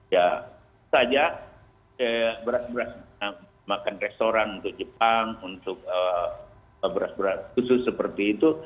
ya saja beras beras makan restoran untuk jepang untuk beras beras khusus seperti itu